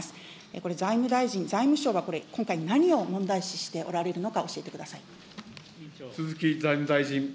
これ、財務大臣、財務しょうがこれ、今回、何を問題視しておられるのか、教えてください。